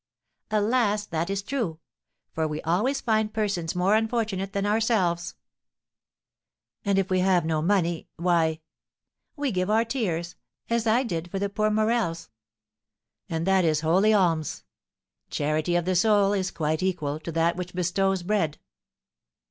"Alas! that is true; for we always find persons more unfortunate than ourselves." "And if we have no money, why " "We give our tears, as I did for the poor Morels." "And that is holy alms. 'Charity of the soul is quite equal to that which bestows bread.'"